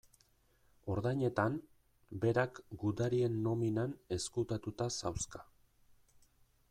Ordainetan, berak gudarien nominan ezkutatuta zauzka.